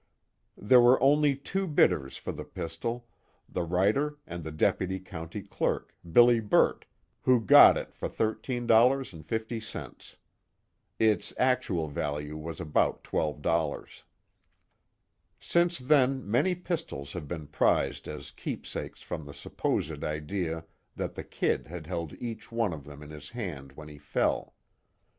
There were only two bidders for the pistol, the writer and the deputy county clerk, Billy Burt, who got it for $13.50. Its actual value was about $12.00. Since then many pistols have been prized as keepsakes from the supposed idea that the "Kid" had held each one of them in his hand when he fell.